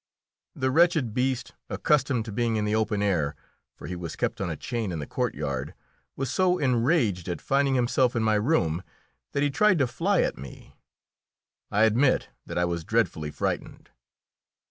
The wretched beast, accustomed to being in the open air for he was kept on a chain in the courtyard was so enraged at finding himself in my room that he tried to fly at me. I admit that I was dreadfully frightened.